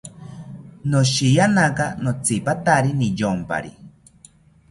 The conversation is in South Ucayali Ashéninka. Noshiyanaka notzipatari niyompari